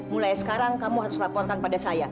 mulai sekarang kamu harus laporkan pada saya